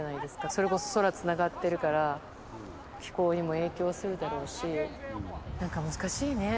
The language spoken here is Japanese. それこそ空つながってるから、気候にも影響するだろうし、なんか難しいね。